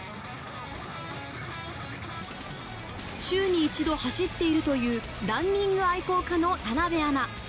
週に一度走っているというランニング愛好家の田辺アナ。